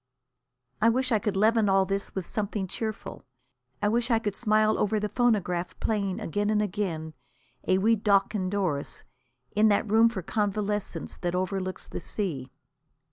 I wish I could leaven all this with something cheerful. I wish I could smile over the phonograph playing again and again A Wee Deoch an' Doris in that room for convalescents that overlooks the sea.